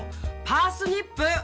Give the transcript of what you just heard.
パースニップ！